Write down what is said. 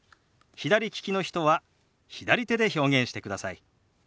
左利きの人は左手で表現してください。